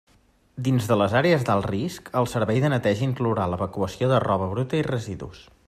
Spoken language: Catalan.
Dins de les àrees d'alt risc, el servei de neteja inclourà l'evacuació de roba bruta i residus.